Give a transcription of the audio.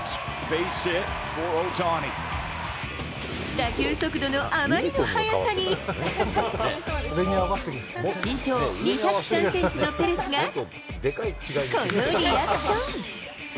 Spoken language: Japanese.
打球速度のあまりの速さに、身長２０３センチのペレスがこのリアクション。